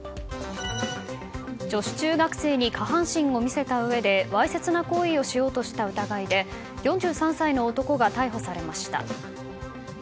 女子中学生に下半身を見せたうえでわいせつな行為をしようとした疑いで４３歳の男が逮捕されました。